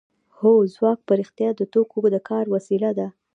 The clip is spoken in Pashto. هو ځواک په رښتیا د توکو د کار وسیله ده